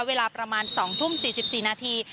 เวลาประมาณ๒ทุ่ม๔๔นาที